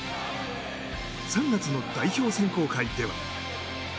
３月の代表選考会では。